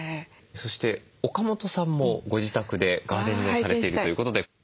そして岡本さんもご自宅でガーデニングをされているということで。